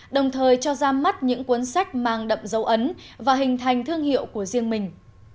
đồng thời cho ra mắt những cuốn sách mang đậm dấu ấn và hình thành thương hiệu của riêng mình